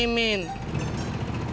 kok jadi nyalain bubi